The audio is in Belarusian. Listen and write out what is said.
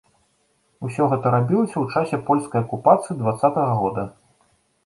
Усё гэта рабілася ў часе польскай акупацыі дваццатага года.